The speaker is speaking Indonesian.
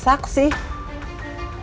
soal kasus pembunuhan